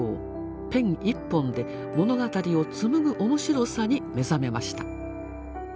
ペン１本で物語を紡ぐ面白さに目覚めました。